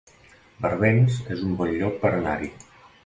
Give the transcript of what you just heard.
Barbens es un bon lloc per anar-hi